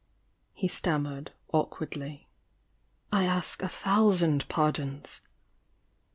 he stammered, awkwardly. "I ask a thousand pardons!"